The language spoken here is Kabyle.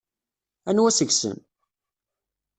Anwa seg-sen?